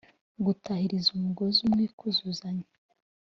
gutahiriza umugozi umwe: kuzuzanya,